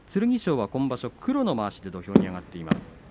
剣翔は今場所から黒のまわしで土俵に上がっています。